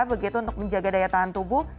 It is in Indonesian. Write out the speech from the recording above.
begitu untuk menjaga daya tahan tubuh